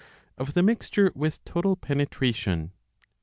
Of the Mixture with Total Penetration.